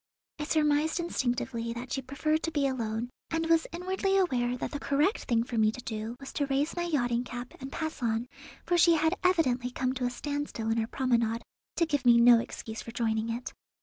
I surmised instinctively that she preferred to be alone, and was inwardly aware that the correct thing for me to do was to raise my yachting cap and pass on, for she had evidently come to a standstill in her promenade, to give me no excuse for joining it.